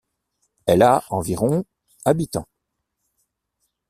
Elle a environ habitants.